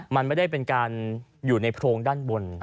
มันไม่ได้เป็นการอยู่ในโพรงด้านบน